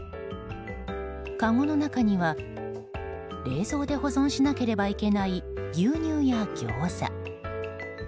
かごの中には冷蔵で保存しなければいけない牛乳やギョーザ。